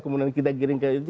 kemudian kita kirim ke itu